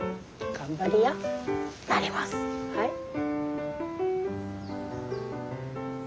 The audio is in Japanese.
はい。